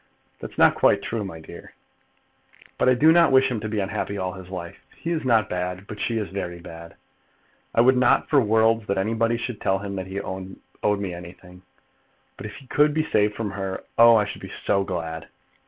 "That's quite true, my dear." "But I do not wish him to be unhappy all his life. He is not bad, but she is very bad. I would not for worlds that anybody should tell him that he owed me anything; but if he could be saved from her, oh, I should be so glad."